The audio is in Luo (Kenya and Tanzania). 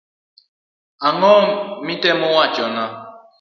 Ang'o mitemo wachona.